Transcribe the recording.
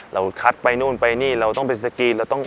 เราคัดไปนู่นไปนี่เราต้องไปสกรีน